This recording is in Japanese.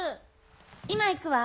今行くわ。